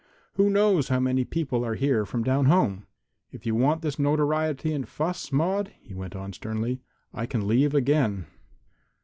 Who knows how many people are here from down home? If you want this notoriety and fuss, Maude," he went on sternly, "I can leave again."